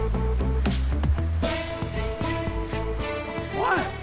おい！